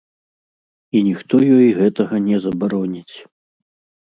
І ніхто ёй гэтага не забароніць.